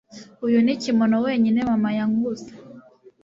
uyu ni kimono wenyine mama yanguze